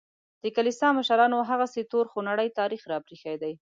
د کلیسا مشرانو هغسې تور خونړی تاریخ راپرېښی دی.